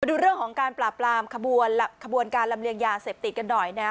ดูเรื่องของการปราบปรามขบวนการลำเลียงยาเสพติดกันหน่อยนะฮะ